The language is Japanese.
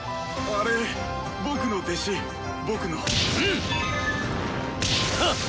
あれ僕の弟子僕の。